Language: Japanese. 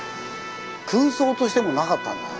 空想としてもなかったんじゃない？